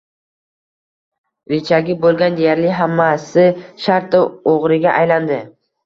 Richagi bo‘lgan deyarli hammasi shartta o‘g‘riga aylandi.